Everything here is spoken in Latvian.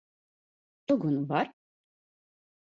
Čugunu var?